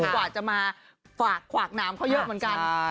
กว่าจะมาฝากขวากหนามเขาเยอะเหมือนกัน